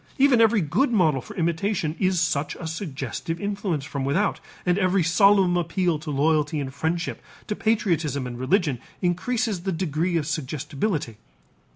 Even every good model for imitation is such a suggestive influence from without and every solemn appeal to loyalty and friendship, to patriotism and religion, increases the degree of suggestibility.